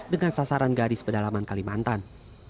dengan sasaran garis pedalaman kalimantan